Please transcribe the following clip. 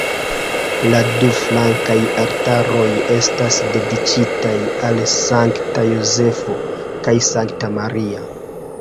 La du flankaj altaroj estas dediĉitaj al Sankta Jozefo kaj Sankta Maria.